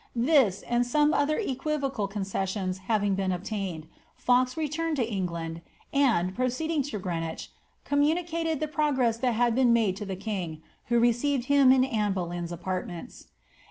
This, and some other equivocal concessions having been obtained. Fox return ed to England, and, proceeding to Greenwich, communicated the pro gress that had been made to the king, who received him in Anne Boleyn's apartments.